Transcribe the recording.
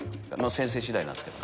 先生次第なんすけど。